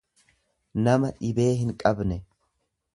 nama dhibee hinqabne.